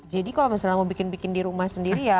jadi kalau misalnya mau bikin bikin di rumah sendiri ya